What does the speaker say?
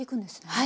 はい。